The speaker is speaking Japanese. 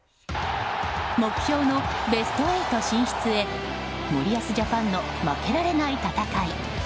目標のベスト８進出へ森保ジャパンの負けられない戦い